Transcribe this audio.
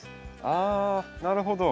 あなるほど。